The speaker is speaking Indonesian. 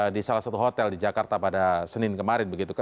di salah satu hotel di jakarta pada senin kemarin